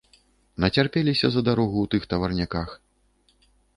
Нацярпеліся за дарогу ў тых таварняках.